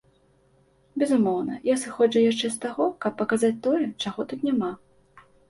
Безумоўна, я сыходжу яшчэ з таго, каб паказаць тое, чаго тут няма.